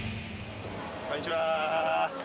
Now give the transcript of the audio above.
こんにちは。